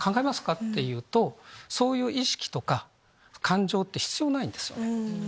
っていうとそういう意識とか感情って必要ないんです。